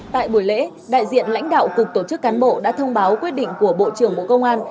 tại buổi lễ đại diện lãnh đạo cục tổ chức cán bộ đã thông báo quyết định của bộ trưởng bộ công an